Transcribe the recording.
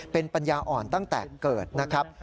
เป็นปัญญาอ่อนตั้งแต่เกิดนะครับ